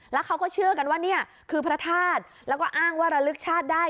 แล้วเขาก็เชื่อกันว่านี่คือพระธาตุแล้วก็อ้างว่าระลึกชาติได้